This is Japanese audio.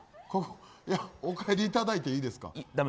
お帰りいただいていいですか？